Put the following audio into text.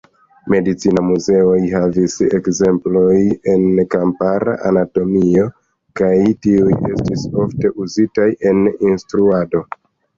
Medicinaj muzeoj havigis ekzemploj en kompara anatomio, kaj tiuj estis ofte uzitaj en instruado.